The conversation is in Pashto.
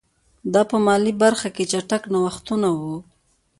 دا په مالي برخه کې چټک نوښتونه وو